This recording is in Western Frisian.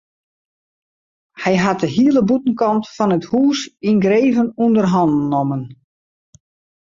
Hy hat de hiele bûtenkant fan it hûs yngreven ûnder hannen nommen.